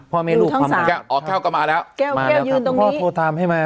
พ่อไม่รู้ทั้งสามอ๋อแก้วก็มาแล้วแก้วแก้วยืนตรงนี้พ่อโทรทำให้มา